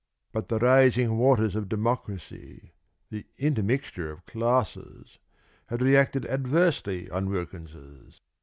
But the rising waters of democracy the intermixture of classes had reacted adversely on Wilkins's.